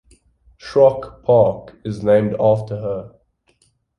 Schrock Park is named after her.